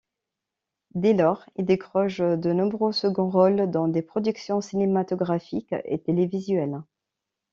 Dès lors, il décroche de nombreux seconds rôles dans des productions cinématographiques et télévisuelles.